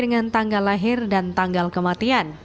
dengan tanggal lahir dan tanggal kematian